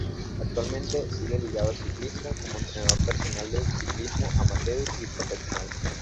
Actualmente sigue ligado al ciclismo como entrenador personal de ciclismo amateur y profesional.